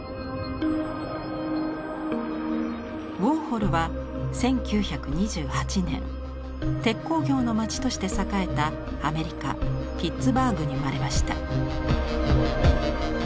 ウォーホルは１９２８年鉄鋼業の街として栄えたアメリカピッツバーグに生まれました。